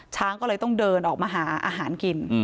ช้างก็เลยต้องเดินออกมาหาอาหารกิน